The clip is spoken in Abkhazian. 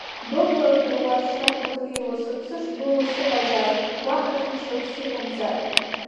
Быбла қаруа сшаргәаҭеило, сыԥсы шбылоу сыҟазааит, уаҳа ҭынчрак сықәымзааит.